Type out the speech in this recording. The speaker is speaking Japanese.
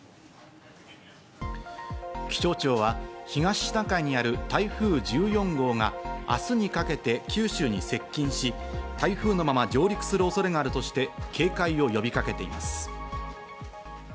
気象庁は東シナ海にある台風１４号が明日にかけて九州に接近し、台風のまま上陸する恐れがあるとして警戒を呼びかけています。